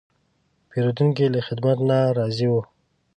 پیرودونکی له خدمت نه راضي و.